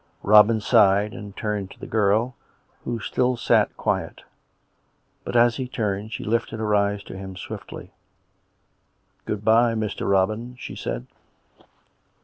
Robin sighed, and turned to the girl, who still sat quiet. But as he turned she lifted her eyes to him swiftly. COME RACK! COME ROPE! 127 " Good bye, Mr. Robin," she said.